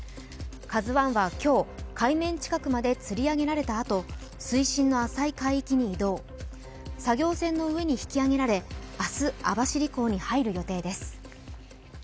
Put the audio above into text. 「ＫＡＺＵⅠ」は今日、海面近くまでつり上げられたあと、水深の浅い海域に移動、作業船の上に引き揚げられ明日、網走港に入る予定です。